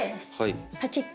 パチッて。